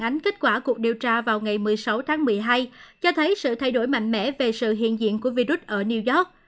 phản ánh kết quả cuộc điều tra vào ngày một mươi sáu tháng một mươi hai cho thấy sự thay đổi mạnh mẽ về sự hiện diện của virus ở new york